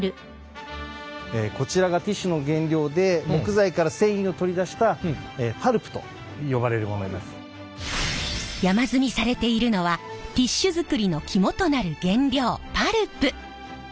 こちらがティッシュの原料で山積みされているのはティッシュ作りの肝となる原料パルプ。